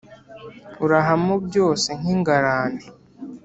urahamo byose nk’ingarane